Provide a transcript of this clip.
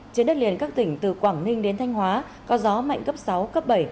trên đất liền các tỉnh từ quảng ninh đến thanh hóa có gió mạnh cấp sáu cấp bảy